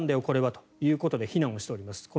これは、ということで非難をしております。